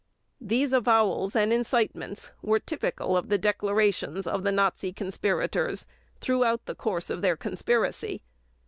These avowals and incitements were typical of the declarations of the Nazi conspirators throughout the course of their conspiracy.